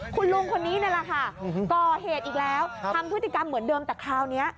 คุณลุงคนนี้นั่นแหละค่ะก่อเหตุอีกแล้วทำพฤติกรรมเหมือนเดิมแต่คราวนี้